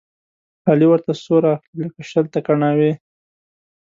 علي ورته سور اخلي، لکه شل ته کڼاوې.